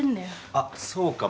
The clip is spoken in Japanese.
あっそうか。